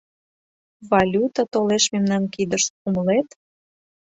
Валюта толеш мемнан кидыш, умылет?